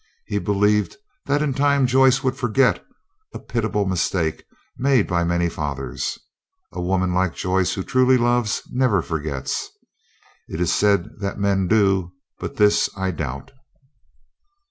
He believed that in time Joyce would forget, a pitiable mistake made by many fathers. A woman like Joyce, who truly loves, never forgets. It is said that men do, but this I doubt.